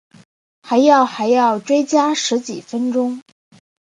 还要还要追加十几分钟